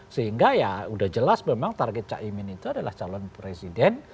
sehingga ya udah jelas memang target cak imin itu adalah calon presiden